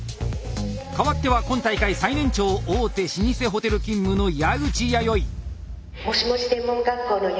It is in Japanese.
かわっては今大会最年長大手老舗ホテル勤務の矢口弥生。